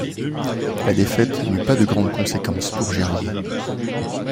La défaite n'eut pas de grandes conséquences pour Gerlier.